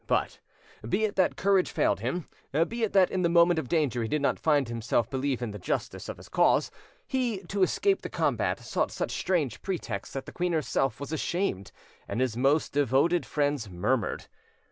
But, be it that courage failed him, be it that in the moment of danger he did not himself believe in the justice of his cause, he, to escape the combat, sought such strange pretexts that the queen herself was ashamed; and his most devoted friends murmured.